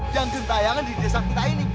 yang gentayangan di desa kita ini